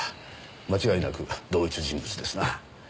間違いなく同一人物ですな。